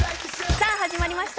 さあ始まりました